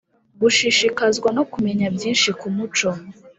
gushishikazwa no kumenya byinshi ku muco